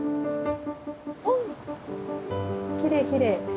おきれいきれい。